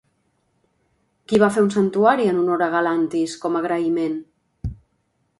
Qui va fer un santuari en honor a Galantis com a agraïment?